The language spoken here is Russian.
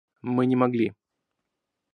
Мы не могли.